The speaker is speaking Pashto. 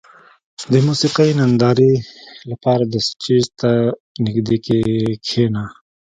• د موسیقۍ نندارې لپاره د سټېج ته نږدې کښېنه.